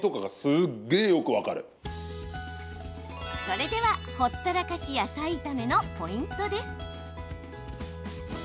それではほったらかし野菜炒めのポイントです。